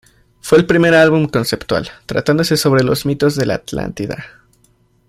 Fue el primer álbum conceptual, tratándose sobre los mitos de la Atlántida.